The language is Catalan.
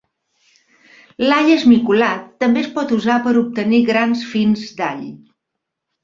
L'all esmicolat també es pot usar per obtenir grans fins d'all.